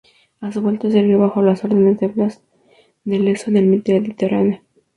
A su vuelta, sirvió bajo las órdenes de Blas de Lezo en el Mediterráneo.